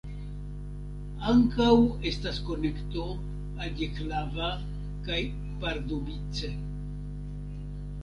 Ankaŭ estas konekto al Jihlava kaj Pardubice.